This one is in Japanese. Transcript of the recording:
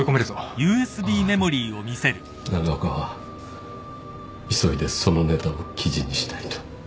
長岡は急いでそのネタを記事にしたいと。